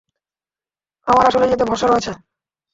আমার আসলেই এতে ভরসা রয়েছে।